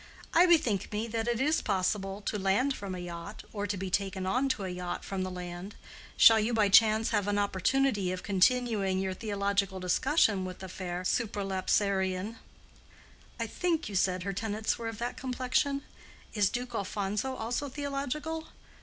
I bethink me that it is possible to land from a yacht, or to be taken on to a yacht from the land. Shall you by chance have an opportunity of continuing your theological discussion with the fair Supralapsarian—I think you said her tenets were of that complexion? Is Duke Alphonso also theological?